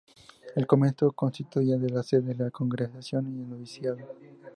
El convento constituía la sede de la Congregación y el Noviciado.